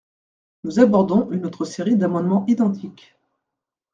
Nous abordons une autre série d’amendements identiques.